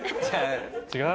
違う？